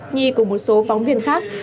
nhi cùng một số phóng viên khác